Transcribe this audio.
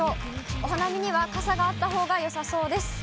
お花見には傘があったほうがよさそうです。